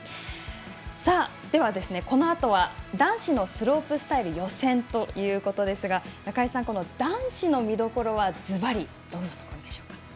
では、このあとは男子のスロープスタイル予選ということですが中井さん、男子の見どころはずばりどんなところでしょうか。